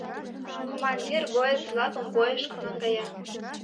Командир боец-влакым бойышко наҥгая.